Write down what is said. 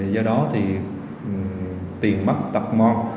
do đó thì tiền mắc tập mong